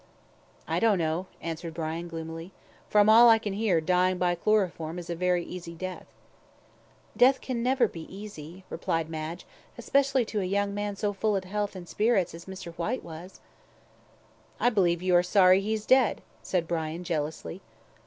"I don't know," answered Brian, gloomily; "from all I can hear dying by chloroform is a very easy death." "Death can never be easy," replied Madge, "especially to a young man so full of health and spirits as Mr. Whyte was." "I believe you are sorry he's dead," said Brian, jealously.